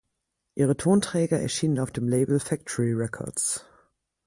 Ihre Tonträger erschienen auf dem Label Factory Records.